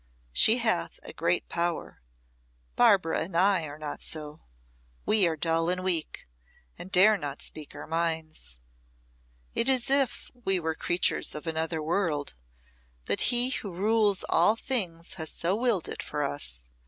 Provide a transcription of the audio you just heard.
She hath a great power. Barbara and I are not so. We are dull and weak, and dare not speak our minds. It is as if we were creatures of another world; but He who rules all things has so willed it for us.